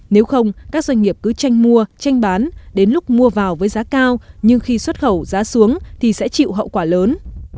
nếu không các doanh nghiệp cứ tranh mua tranh bán đến lúc mua vào với giá cao nhưng khi xuất khẩu giá xuống thì sẽ chịu hậu quả lớn